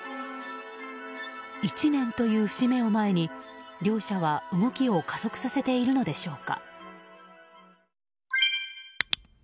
１年という節目を前に両者は、動きを加速させているのでしょうか。